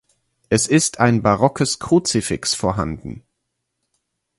Es ist ein barockes Kruzifix vorhanden.